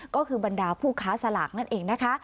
ก็คือบรรดาผู้ค้าสลากนั่นเองนะคะ